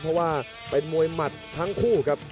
เพราะว่าเป็นมวยหมัดทั้งคู่ครับ